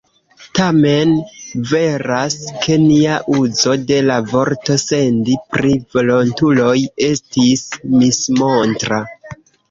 Tamen veras, ke nia uzo de la vorto "sendi" pri volontuloj estis mismontra.